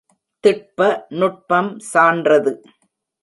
திட்ப நுட்பம் சான்றது.